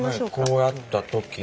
こうやった時に。